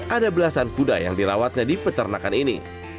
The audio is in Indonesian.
ada belasan kuda yang dirawatnya di peternakan ini